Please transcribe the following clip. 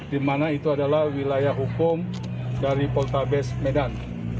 di mana itu adalah wilayah hukum dari poltabes medan